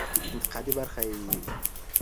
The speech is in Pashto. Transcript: انتقادي برخه یې